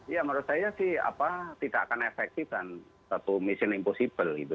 ya menurut saya sih tidak akan efektif dan satu mission impossible gitu